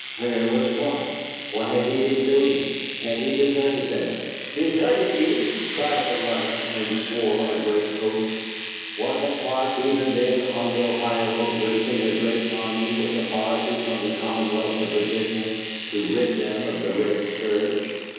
Where was Clark? What had he been doing? Had he deserted them? "Deserted ye!" cried the runner, and swore a great oath. Wasn't Clark even then on the Ohio raising a great army with authority from the Commonwealth of Virginia to rid them of the red scourge?